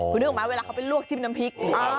คุณนึกออกไหมเวลาเขาไปลวกจิ้มน้ำพริก